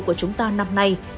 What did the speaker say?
của chúng ta năm nay